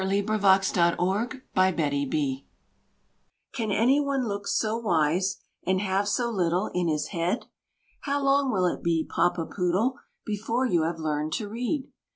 PAPA POODLE. Can any one look so wise, and have so little in his head? How long will it be, Papa Poodle, before you have learned to read?